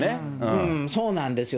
そうなんですよ。